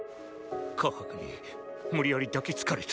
⁉カハクに無理矢理抱きつかれた。